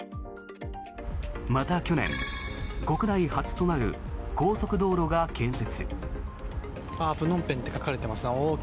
また去年国内初となる高速道路が建設。